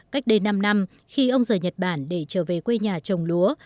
cách đây năm năm khi ông rời nhật bản để trở về quê nhà trồng lúa